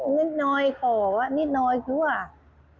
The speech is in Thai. นิดน้อยขอนิดน้อยด้วย